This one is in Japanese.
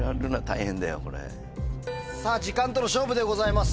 さぁ時間との勝負でございます。